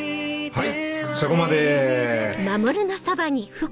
はい。